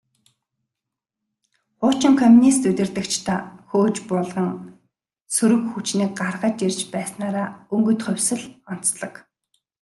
Хуучин коммунист удирдагчдаа хөөж буулган, сөрөг хүчнийг гаргаж ирж байснаараа «Өнгөт хувьсгал» онцлог.